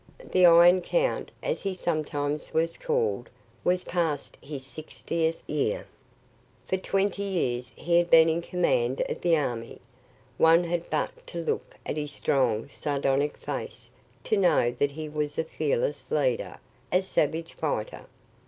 The "Iron Count," as he sometimes was called, was past his sixtieth year. For twenty years he had been in command of the army. One had but to look at his strong, sardonic face to know that he was a fearless leader, a savage fighter.